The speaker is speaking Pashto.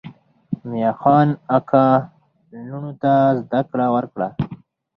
میاخان اکا لوڼو ته زده کړه ورکړه.